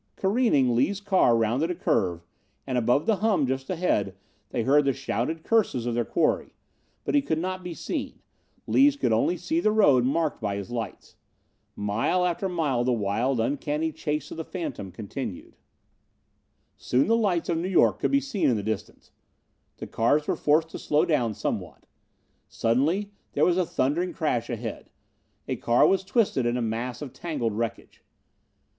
Careening, Lees' car rounded a curve, and, above the hum just ahead, they heard the shouted curses of their quarry. But he could not be seen. Lees could only see the road marked by his lights. Mile after mile the wild, uncanny chase of the phantom continued. Soon the lights of New York could be seen in the distance. The cars were forced to slow down somewhat. Suddenly there was a thundering crash ahead. A car was twisted in a mass of tangled wreckage.